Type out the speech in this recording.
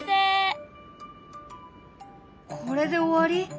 これで終わり？